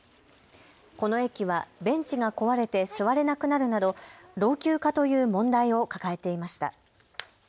この駅はベンチが壊れて座れなくなるなど、老朽化という問題を抱えていました。